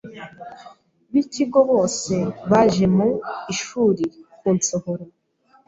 b’ikigo bose baje mu ishuri kunsohora